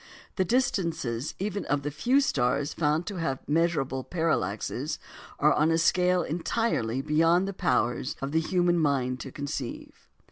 The distances even of the few stars found to have measurable parallaxes are on a scale entirely beyond the powers of the human mind to conceive.